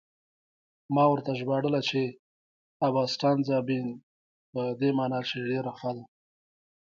ما ورته ژباړله چې: 'Abbastanza bene' په دې مانا چې ډېره ښه ده.